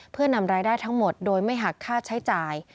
เพื่อนำรายได้ทั้งหมดโดยไม่หักค่าใช้จ่าย